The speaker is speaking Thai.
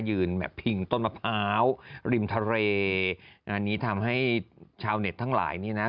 แบบพิงต้นมะพร้าวริมทะเลอันนี้ทำให้ชาวเน็ตทั้งหลายนี่นะ